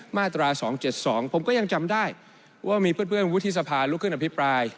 มาตรา๒๗๒ผมก็ยังจำได้ว่ามีเพื่อนวุฒิสภาลุกขึ้นอภิปราย